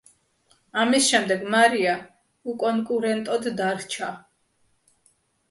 ამის შემდეგ მარია უკონკურენტოდ დარჩა.